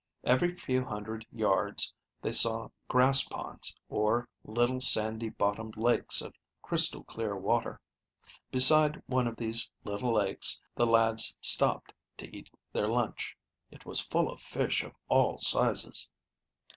Every few hundred yards they saw grass ponds, or little sandy bottomed lakes of crystal clear water. Beside one of these little lakes the lads stopped to eat their lunch. It was full of fish of all sizes.